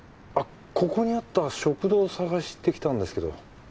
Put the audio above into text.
ここにあった食堂を捜してきたんですけど。